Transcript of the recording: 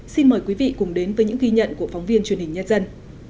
xin mời quý vị cùng đến với những ghi nhận của phóng viên truyền hình nhân dân